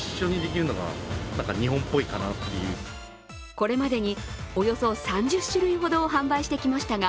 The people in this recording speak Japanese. これまでにおよそ３０種類ほどを販売してきましたが